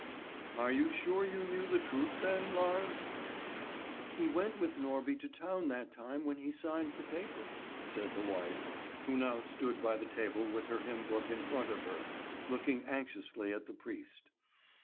"Are you sure you knew the truth then, Lars?" "He went with Norby to town that time when he signed the paper," said the wife, who now stood by the table with her hymn book in front of her, looking anxiously at the priest.